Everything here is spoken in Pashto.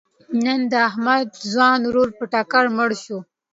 نن د احمد ځوان ورور په ټکر مړ شو.